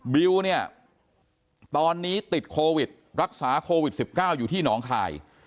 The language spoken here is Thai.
บิวเนี่ยตอนนี้ติดโควิดรักษาโควิด๑๙อยู่ที่หนองคาย